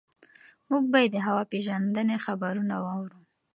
موږ باید د هوا پېژندنې خبرونه واورو.